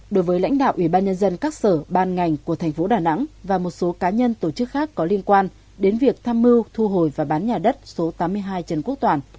đối với lãnh đạo ủy ban nhân dân các sở ban ngành của thành phố đà nẵng và một số cá nhân tổ chức khác có liên quan đến việc tham mưu thu hồi và bán nhà đất số tám mươi hai trần quốc toàn